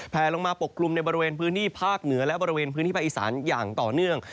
แพร่ลงมาปกกรุมบริเวณพื้นที่ภาคเหนือและประเทศไทยอย่างต่อเนื่อง